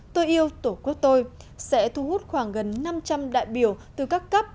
tôi yêu tổ quốc tôi sẽ thu hút khoảng gần năm trăm linh đại biểu từ các cấp